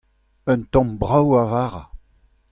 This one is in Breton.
Un tamm brav a vara.